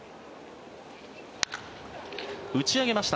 打ち上げました。